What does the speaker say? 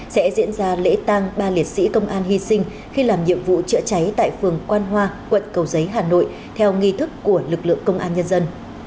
sẽ diễn ra lễ tang ba liệt sĩ công an hy sinh khi làm nhiệm vụ chữa cháy tại phường quan hoa quận cầu giấy hà nội theo nghi thức của lực lượng công an nhân dân